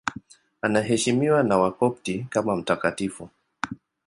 Anaheshimiwa na Wakopti kama mtakatifu.